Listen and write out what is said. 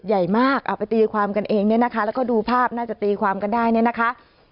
ใหญ่มากเอาไปตีความกันเองเนี่ยนะคะแล้วก็ดูภาพน่าจะตีความกันได้เนี่ยนะคะ